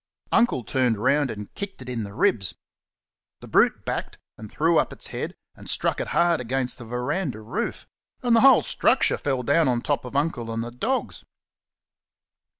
Uncle turned round and kicked it in the ribs. The brute backed and threw up its head and struck it hard against the verandah roof, and the whole structure fell down on top of Uncle and the dogs.